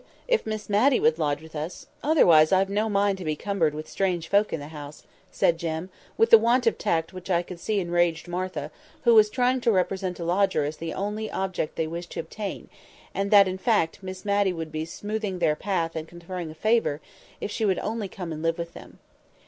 if Miss Matty would lodge with us—otherwise I've no mind to be cumbered with strange folk in the house," said Jem, with a want of tact which I could see enraged Martha, who was trying to represent a lodger as the great object they wished to obtain, and that, in fact, Miss Matty would be smoothing their path and conferring a favour, if she would only come and live with them.